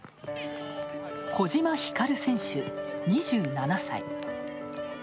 小島ひかる選手、２７歳。